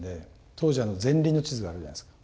当時ゼンリンの地図があるじゃないですか。